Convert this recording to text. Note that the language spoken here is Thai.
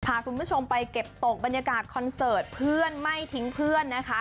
พาคุณผู้ชมไปเก็บตกบรรยากาศคอนเสิร์ตเพื่อนไม่ทิ้งเพื่อนนะคะ